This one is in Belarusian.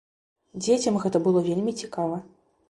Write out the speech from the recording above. Дзецям гэта было вельмі цікава.